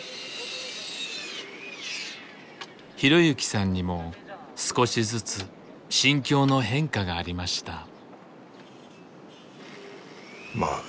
浩行さんにも少しずつ心境の変化がありました。